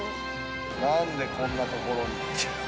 なんでこんな所に。